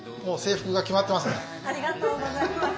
ありがとうございます。